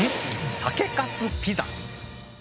酒かすピザ？